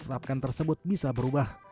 tetapkan tersebut bisa berubah